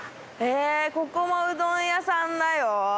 ここもうどん屋さんだよ。